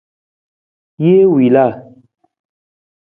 Jee wila.